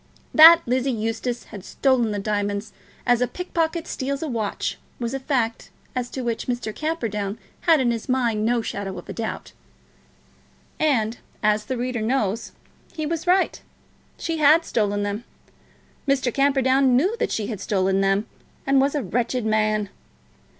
That Lizzie Eustace had stolen the diamonds, as a pickpocket steals a watch, was a fact as to which Mr. Camperdown had in his mind no shadow of a doubt. And, as the reader knows, he was right. She had stolen them. Mr. Camperdown knew that she had stolen them, and was a wretched man.